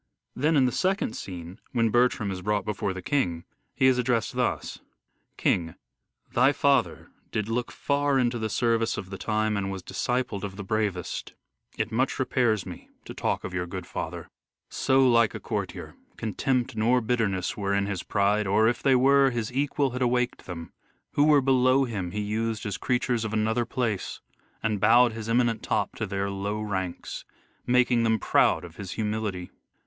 Then in the second scene when Bertram is brought before the king, he is addressed thus : King : Thy father .... did look far Into the service of the time and was Discipled of the bravest. It much repairs me To talk of your good father. EARLY LIFE OF EDWARD DE VERE 233 So like a courtier, contempt nor bitterness Were in his pride, or, if they were, His equal had awaked them : who were below him He used as creatures of another place, And bowed his eminent top to their low ranks, Making them proud of his humility.